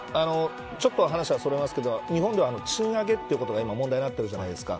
ちょっと話はそれますけど日本では賃上げということが今問題になってるじゃないですか。